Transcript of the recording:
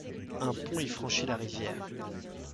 Un pont y franchit la rivière.